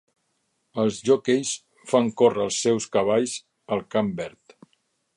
Els joqueis fan córrer els seus cavalls al camp verd.